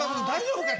大丈夫？